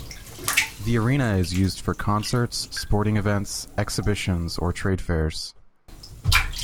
The arena is used for concerts, sporting events, exhibitions or trade fairs.